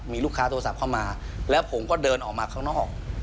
มีลูกค้าโทรศัพท์เข้ามาแล้วผมก็เดินออกมาข้างนอก